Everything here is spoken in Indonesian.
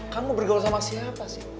kamu bergaul sama siapa sih